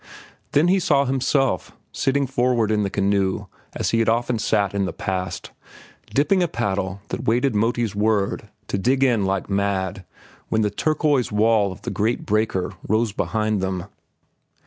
Then he saw himself, sitting forward in the canoe as he had often sat in the past, dipping a paddle that waited Moti's word to dig in like mad when the turquoise wall of the great breaker rose behind them.